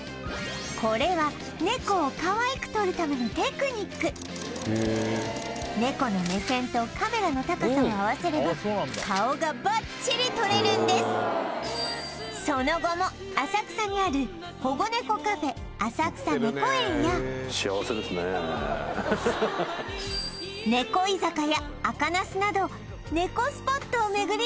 これは猫をかわいく撮るためのテクニック猫の目線とカメラの高さを合わせれば顔がばっちり撮れるんですその後も浅草にある幸せですねえなど猫スポットを巡り